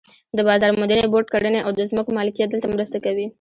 د بازار موندنې بورډ کړنې او د ځمکو مالکیت دلته مرسته کوي.